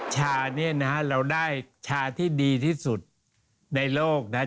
ชาเนี่ยนะฮะเราได้ชาที่ดีที่สุดในโลกนะ